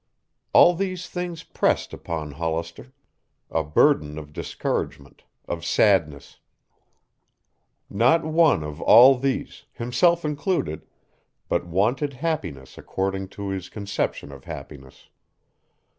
All these things pressed upon Hollister; a burden of discouragement, of sadness. Not one of all these, himself included, but wanted happiness according to his conception of happiness.